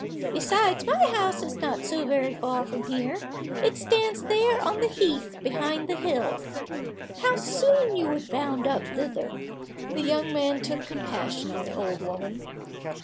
Besides, my house is not so very far from here, it stands there on the heath behind the hill. How soon you would bound up thither." The young man took compassion on the old woman.